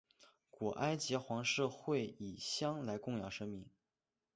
古埃及皇室会以香来供养神明。